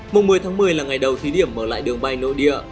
mùng một mươi tháng một mươi là ngày đầu thí điểm mở lại đường bay nội địa